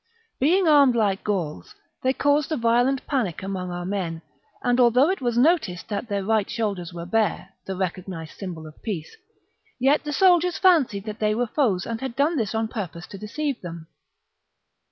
Being armed like Gauls, they caused a violent panic among our men ; and although it was noticed that their right shoulders were bare — the recognized symbol of peace — yet the soldiers fancied that they were foes and had done this on purpose to deceive them.